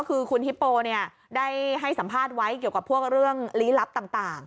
คือคุณฮิปโปได้ให้สัมภาษณ์ไว้เกี่ยวกับพวกเรื่องลี้ลับต่าง